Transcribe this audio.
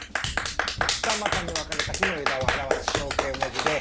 二股に分かれた木の枝を表す象形文字で。